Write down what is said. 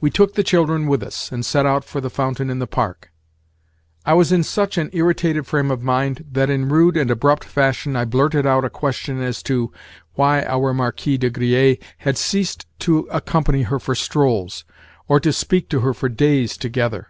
We took the children with us, and set out for the fountain in the Park. I was in such an irritated frame of mind that in rude and abrupt fashion I blurted out a question as to "why our Marquis de Griers had ceased to accompany her for strolls, or to speak to her for days together."